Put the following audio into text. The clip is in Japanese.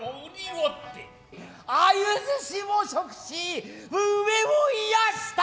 鮎鮨を食し飢えを癒やした。